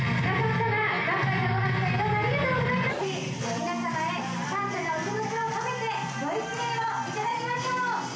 ・皆様へ感謝のお気持ちを込めてご一礼を頂きましょう。